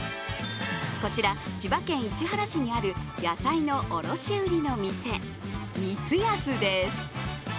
こちら、千葉県市原市にある野菜の卸売りの店、光泰です。